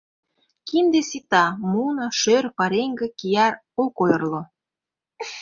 Кинде сита, муно, шӧр, пареҥге, кияр ок ойырло.